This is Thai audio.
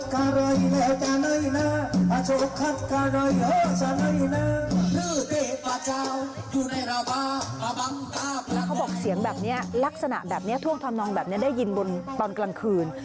แล้วเขาบอกเสียงแบบนี้ลักษณะแบบนี้ท่วงทำนองแบบนี้ได้ยินบนตอนกลางคืน